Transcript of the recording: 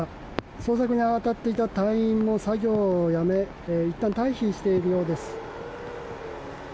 捜索に当たっていた隊員も作業をやめいったん退避しているようです。